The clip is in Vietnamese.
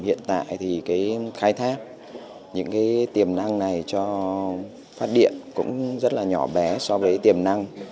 hiện tại thì cái khai thác những cái tiềm năng này cho phát điện cũng rất là nhỏ bé so với tiềm năng